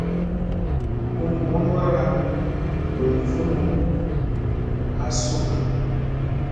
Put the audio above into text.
Hum moŋgora guy vunu ha suŋka.